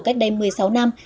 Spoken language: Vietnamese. cách đây một mươi sáu năm